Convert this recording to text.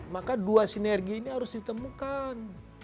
maka dua sinergi ini harus ditemukan